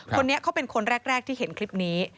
คนนี้เขาเป็นคนแรกที่เห็นคลิปนี้